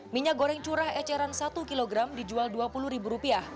minyak goreng curah eceran satu kg dijual rp dua puluh